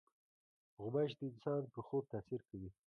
غوماشې د انسان پر خوب تاثیر کوي.